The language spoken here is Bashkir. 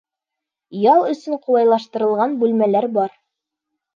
Ял өсөн ҡулайлаштырылған бүлмәләр бар.